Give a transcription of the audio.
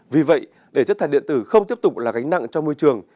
vì vậy để chất thải điện tử không tiếp tục là gánh nặng cho môi trường